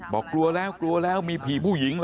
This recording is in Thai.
บอกกลัวแล้วมีผีผู้หญิง